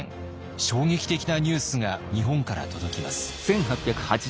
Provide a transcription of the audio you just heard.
衝撃的なニュースが日本から届きます。